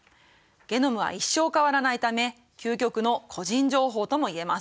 ゲノムは一生変わらないため究極の個人情報ともいえます。